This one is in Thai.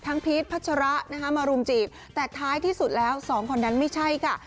พีชพัชระนะคะมารุมจีบแต่ท้ายที่สุดแล้วสองคนนั้นไม่ใช่ค่ะ